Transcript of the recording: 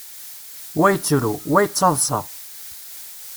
Wa yettru, wa yettaḍṣa.